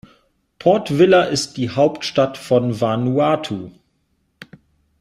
Port Vila ist die Hauptstadt von Vanuatu.